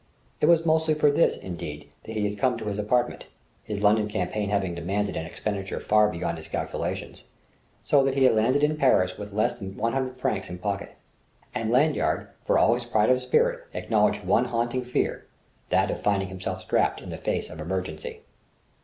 It was mostly for this, indeed, that he had come to his apartment; his London campaign having demanded an expenditure far beyond his calculations, so that he had landed in Paris with less than one hundred francs in pocket. And Lanyard, for all his pride of spirit, acknowledged one haunting fear that of finding himself strapped in the face of emergency.